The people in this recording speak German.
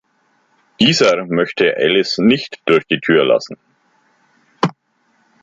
Dieser möchte Alice nicht durch die Tür lassen.